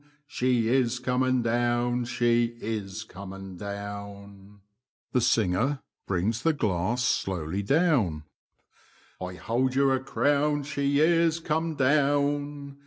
She is coming down, she IS coming down; [Brings it slowly down. I hold you a crown she is come down.